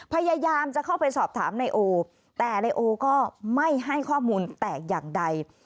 พยายามจะเข้าไปสอบถามนายโอแต่นายโอก็ไม่ให้ข้อมูลแตกอย่างใด